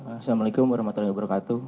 assalamu'alaikum warahmatullahi wabarakatuh